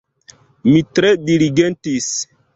Mi tre diligentis.